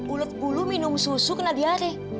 ulet bulu minum susu kena diare